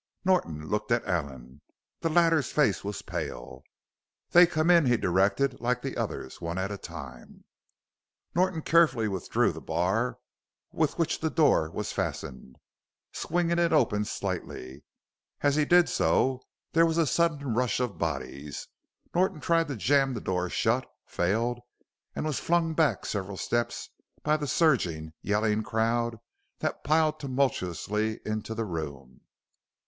Norton looked at Allen. The latter's face was pale. "They come in," he directed, "like the others one at a time." Norton carefully withdrew the bar with which the door was fastened, swinging it open slightly. As he did so there was a sudden rush of bodies; Norton tried to jam the door shut, failed, and was flung back several steps by the surging, yelling crowd that piled tumultuously into the room.